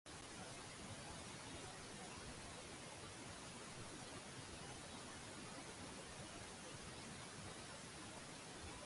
做個花生友